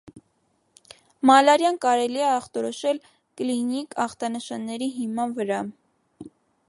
Մալարիան կարելի է ախտորոշել կլինիկ, ախտանշանների հիման վրա։